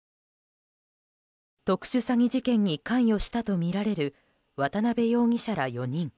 特殊詐欺事件に関与したとみられる渡邉容疑者ら４人。